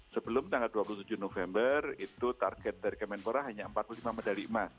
sebelum tanggal dua puluh tujuh november itu target dari kemenpora hanya empat puluh lima medali emas